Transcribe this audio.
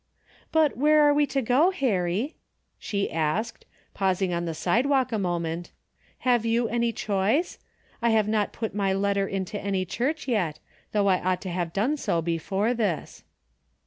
" But where are we to go, Harry ?" she asked, pausing on the sidewalk a moment. '' Have you any choice ? I have not put my DAILY RATE.'^ 269 letter into any church yet, though I ought to have done so before this."